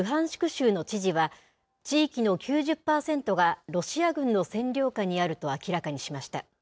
州の知事は、地域の９０％がロシア軍の占領下にあると明らかにしました。